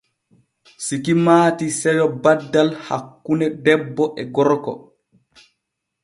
Siki maati seyo baddal hakkune debbo e gorko.